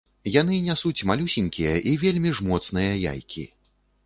Яны нясуць малюсенькія і вельмі ж моцныя яйкі.